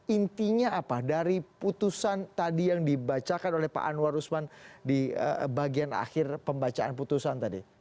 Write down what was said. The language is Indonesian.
intinya apa dari putusan tadi yang dibacakan oleh pak anwar usman di bagian akhir pembacaan putusan tadi